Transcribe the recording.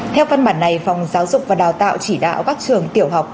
theo văn bản này phòng giáo dục và đào tạo chỉ đạo các trường tiểu học